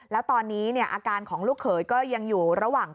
แล้วตอนนี้อาการของลูกเขยก็ยังอยู่ระหว่าง